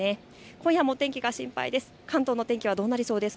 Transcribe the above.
今夜の天気が心配です。